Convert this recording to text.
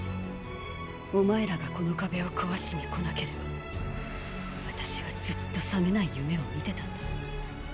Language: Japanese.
お前らがこの壁を壊しに来なければ私はずっと覚めない夢を見てたんだ。